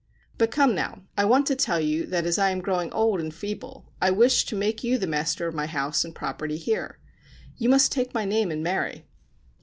But come now — I want to tell you that, as I am growing old and feeble, I wish to make you the master of my house and property here. You must take my name and marry